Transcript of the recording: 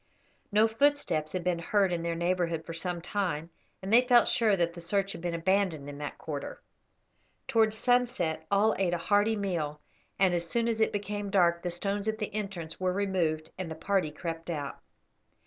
No footsteps had been heard in their neighbourhood for some time, and they felt sure that the search had been abandoned in that quarter. Towards sunset all ate a hearty meal, and as soon as it became dark the stones at the entrance were removed and the party crept out.